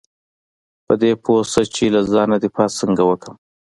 په دې پوه شه چې له ځانه دفاع څنګه وکړم .